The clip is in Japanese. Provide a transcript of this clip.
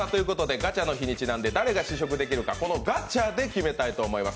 ガチャの日にちなんで誰が試食できるかこのガチャで決めたいと思います。